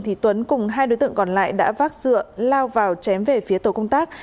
thì tuấn cùng hai đối tượng còn lại đã vác dựa lao vào chém về phía tổ công tác